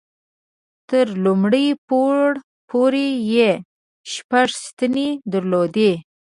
تر لومړي پوړ پورې یې شپږ ستنې درلودې.